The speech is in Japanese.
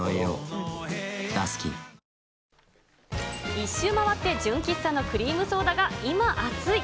１周回って純喫茶のクリームソーダが、今熱い。